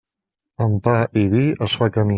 Amb pa i vi es fa camí.